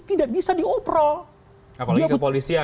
nggak bisa dioperal apalagi kepolisian